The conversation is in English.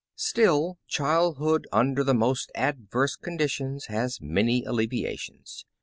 Still, childhood under the most adverse conditions has manv alleviations.